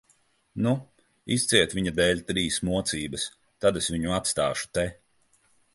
Nu, izciet viņa dēļ trīs mocības, tad es viņu atstāšu te.